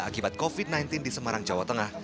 akibat covid sembilan belas di semarang jawa tengah